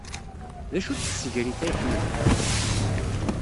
D acu-tt tsegrit ay ḥemmlen?